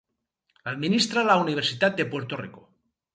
L'administra la Universitat de Puerto Rico.